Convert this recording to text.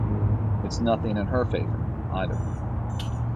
It’s nothing in her favour, either.